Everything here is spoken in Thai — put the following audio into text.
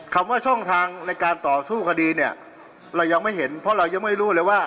คำว่าช่องทางในการต่อสู้คดีเนี่ยเรายังไม่เห็นเพราะเรายังไม่รู้เลยว่า